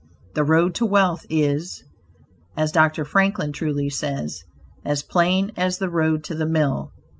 The road to wealth is, as Dr. Franklin truly says, "as plain as the road to the mill."